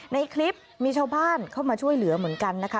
ในคลิปมีชาวบ้านเข้ามาช่วยเหลือเหมือนกันนะคะ